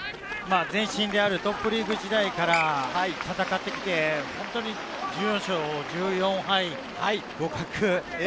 前身であるトップリーグ時代から戦ってきて、本当に１４勝１４敗、互角。